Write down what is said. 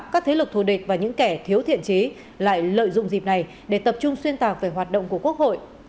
các thế lực thù địch và những kẻ thiếu thiện trí lại lợi dụng dịp này để tập trung xuyên tạc về hoạt động của quốc hội